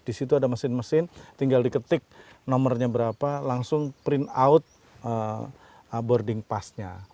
di situ ada mesin mesin tinggal diketik nomornya berapa langsung print out boarding passnya